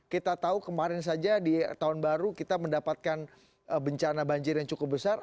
kita tahu kemarin saja di tahun baru kita mendapatkan bencana banjir yang cukup besar